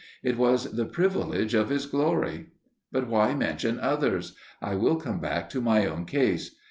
It was the privilege of his glory. But why mention others? I will come back to my own case.